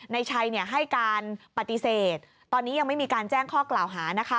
นายชัยให้การปฏิเสธตอนนี้ยังไม่มีการแจ้งข้อกล่าวหานะคะ